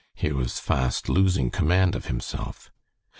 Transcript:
He was fast losing command of himself.